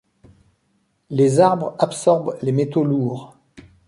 Les arbres absorbent les métaux lourds.